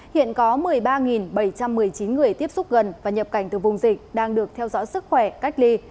hiện có một mươi ba bảy trăm một mươi chín người tiếp xúc gần và nhập cảnh từ vùng dịch đang được theo dõi sức khỏe cách ly